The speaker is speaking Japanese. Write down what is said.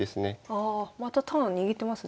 ああまたターン握ってますね。